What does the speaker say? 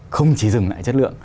không chỉ dừng lại chất lượng